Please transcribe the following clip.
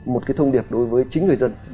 một cái thông điệp đối với chính người dân